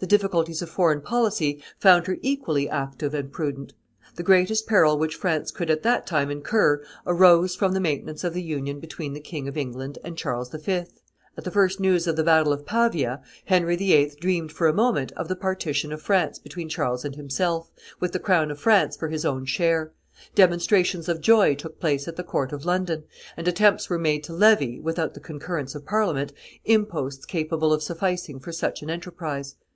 The difficulties of foreign policy found her equally active and prudent. The greatest peril which France could at that time incur arose from the maintenance of the union between the King of England and Charles V. At the first news of the battle of Pavia, Henry VIII. dreamed for a moment of the partition of France between Charles and himself, with the crown of France for his own share; demonstrations of joy took place at the court of London; and attempts were made to levy, without the concurrence of Parliament, imposts capable of sufficing for such an enterprise.